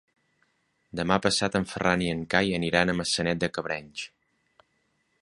Demà passat en Ferran i en Cai aniran a Maçanet de Cabrenys.